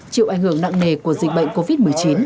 chịu ảnh hưởng nặng nề của dịch bệnh covid một mươi chín